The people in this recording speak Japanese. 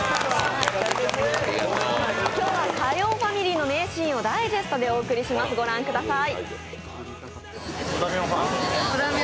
今日は火曜ファミリーの名シーンをダイジェストでお送りします、ご覧ください。